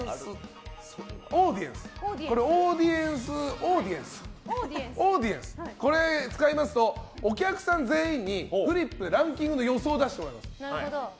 オーディエンス使いますとお客さん全員にフリップでランキングの予想を出してもらいます。